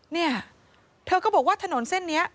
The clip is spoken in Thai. เนี่ยเธอก็บอกว่าถนนเส้นนี้